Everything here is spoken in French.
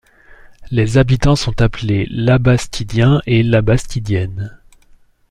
Les habitants sont appelés Labastidiens et Labastidiennes.